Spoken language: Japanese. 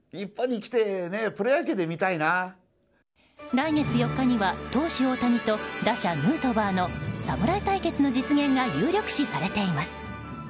来月４日には投手・大谷と打者ヌートバーの侍対決の実現が有力視されています。